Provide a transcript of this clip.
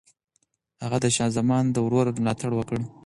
هغه د شاه زمان د ورور ملاتړ وکړ.